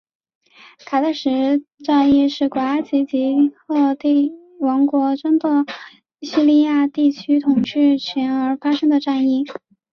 卡迭石战役是古埃及与赫梯王国争夺叙利亚地区统治权而发生的战役。